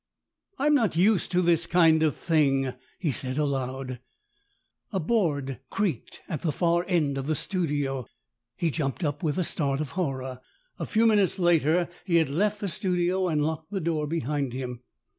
"I'm not used to this kind of thing," he said aloud. A board creaked at the far end of the studio. He jumped up with a start of horror. A few minutes later he had left the studio, and locked the door behind him.